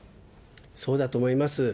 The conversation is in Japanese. そうだと思います。